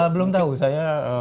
belum tahu saya